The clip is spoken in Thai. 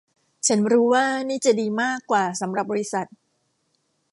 ฉันรู้ว่านี่จะดีมากกว่าสำหรับบริษัท